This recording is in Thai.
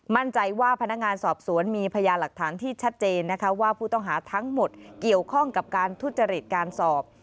มั่นใจว่าพนักงานสอบสวนมีพยาหลักฐานที่ชัดเจนนะคะว่าผู้ต้องหาทั้งหมดเกี่ยวข้องกับการทุจริตการสอบ